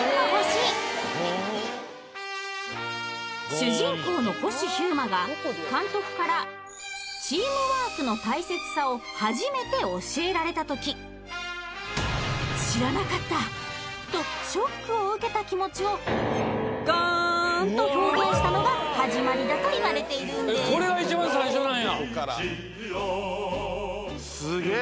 主人公の星飛雄馬が監督からチームワークの大切さを初めて教えられた時とショックを受けた気持ちを「がーん」と表現したのが始まりだと言われているんですすげぇ！